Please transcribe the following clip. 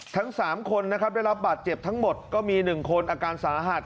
ทั้ง๓คนนะครับได้รับบาดเจ็บทั้งหมดก็มี๑คนอาการสาหัส